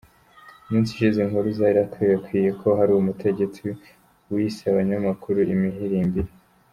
Mu minsi ishize inkuru zarakwiriye ko hari umutegetsi wise abanyamakuru imihirimbiri.